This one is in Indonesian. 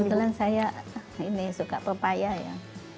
kebetulan saya ini suka pepaya ya